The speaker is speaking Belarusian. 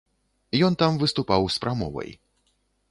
Ён там выступаў з прамовай.